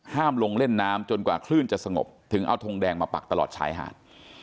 ลงเล่นน้ำจนกว่าคลื่นจะสงบถึงเอาทงแดงมาปักตลอดชายหาด